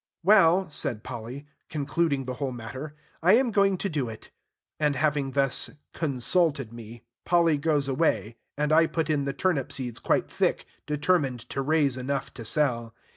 "Well," said Polly, concluding the whole matter, "I am going to do it." And, having thus "consulted" me, Polly goes away; and I put in the turnip seeds quite thick, determined to raise enough to sell.